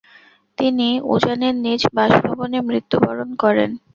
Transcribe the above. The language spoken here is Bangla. তিনি উজানির নিজ বাসভবনে মৃত্যুবরণ করেন।